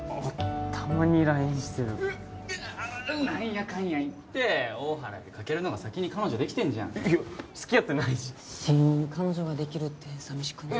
たまにＬＩＮＥしてる何やかんや言って大原よりカケルの方が先に彼女できてんじゃんいや付き合ってないし親友に彼女ができるって寂しくない？